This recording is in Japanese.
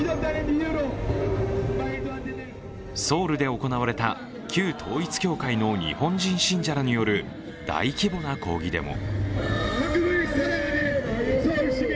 ソウルで行われた旧統一教会の日本人信者らによる大規模な抗議デモ。